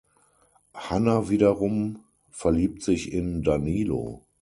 Hanna wiederum verliebt sich in Danilo.